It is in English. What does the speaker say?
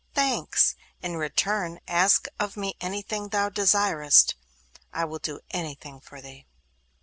Thanks! In return, ask of me anything thou desirest. I will do anything for thee.